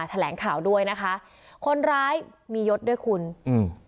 แถลงข่าวด้วยนะคะคนร้ายมียศด้วยคุณอืม